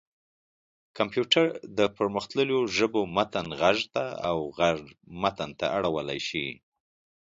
کمپيوټر د پرمختلليو ژبو متن غږ ته او غږ متن ته اړولی شي.